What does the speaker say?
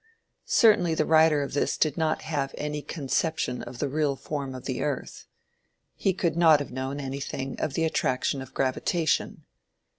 Certainly the writer of this did not have any conception of the real form of the earth. He could not have known anything of the attraction of gravitation.